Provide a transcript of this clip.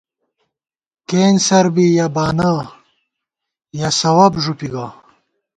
کېنسَر بی یَہ بانہ، یَہ سَوَب ݫُوپی گہ